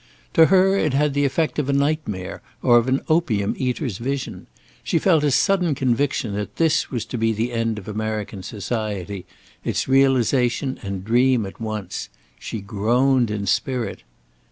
To her it had the effect of a nightmare, or of an opium eater's vision, She felt a sudden conviction that this was to be the end of American society; its realisation and dream at once. She groaned in spirit.